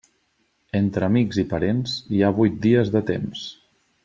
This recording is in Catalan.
Entre amics i parents, hi ha vuit dies de temps.